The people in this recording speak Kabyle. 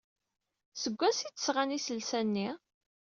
Seg wansi ay d-sɣan iselsa-nni?